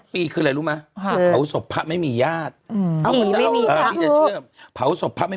ปีใหม่นะไง